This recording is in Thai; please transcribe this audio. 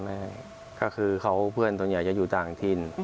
ไม่ก็คือเขาเพื่อนส่วนใหญ่จะอยู่ต่างถิ่น